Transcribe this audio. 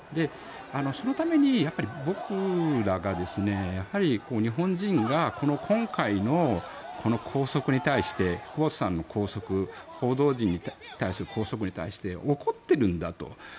そのために僕らが、日本人が今回の拘束に対して久保田さんの拘束報道陣に対する拘束に対して怒っているんだと。